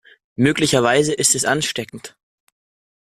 Möglicherweise ist es ansteckend.